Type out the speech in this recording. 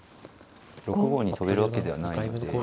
６五に跳べるわけではないので。